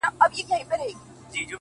o ماته زارۍ كوي چي پرېميږده ه ياره؛